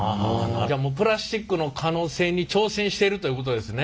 じゃあもうプラスチックの可能性に挑戦しているということですね？